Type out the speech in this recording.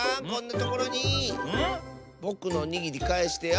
ぼくのおにぎりかえしてよ！